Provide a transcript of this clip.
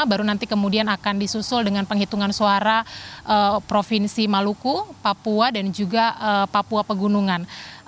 baru nanti kemudian akan disusul dengan penghitungan suara provinsi maluku papua dan juga papua pegunungan